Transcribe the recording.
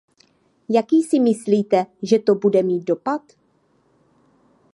Jaký si myslíte, že to bude mít dopad?